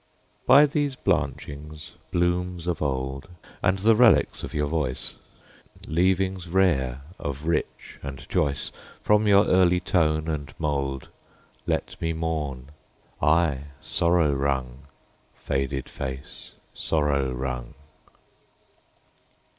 By these blanchings, blooms of old, And the relics of your voice— Leavings rare of rich and choice From your early tone and mould— Let me mourn,—aye, sorrow wrung, Faded Face, Sorrow wrung!